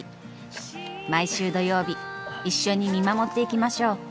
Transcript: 毎週土曜日一緒に見守っていきましょう。